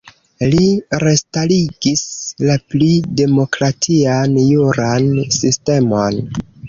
Li restarigis la pli demokratian juran sistemon.